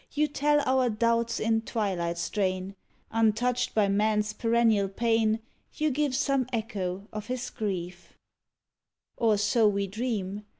You tell our doubts in twilight strain; Untouched by man's perennial pain, You give some echo of his grief; Or so we dream.